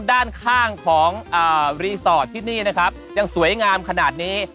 ด้านข้างของรีสอร์ทที่นี่นะครับยังสวยงามขนาดนี้